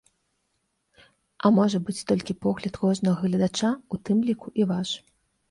А можа быць толькі погляд кожнага гледача, у тым ліку і ваш.